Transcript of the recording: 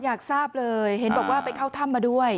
อยากทราบเลยเห็นบอกว่าไปเข้าถ้ำมาด้วย